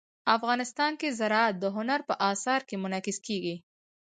افغانستان کې زراعت د هنر په اثار کې منعکس کېږي.